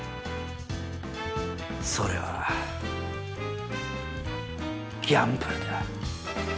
それはギャンブルだ。